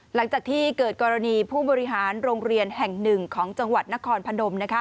หลังจากที่เกิดกรณีผู้บริหารโรงเรียนแห่งหนึ่งของจังหวัดนครพนม